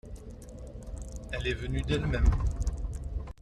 Elle est venue d’elle-même.